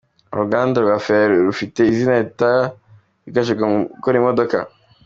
Uruganda rwa Ferrari rufite izina ritajegajezwa mu gukora imodoka.